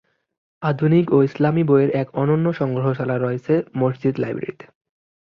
আধুনিক ও ইসলামী বইয়ের এক অনন্য সংগ্রহশালা রয়েছে মসজিদ লাইব্রেরীতে।